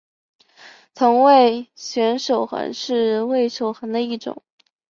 同位旋守恒是味守恒的一种。